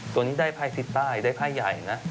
ตัวนี้ได้ภัยซิตไต้ได้ภัยใหญ่นะ